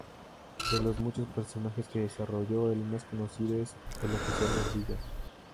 De los muchos personajes que desarrolló, el más conocido es el Oficial Gordillo.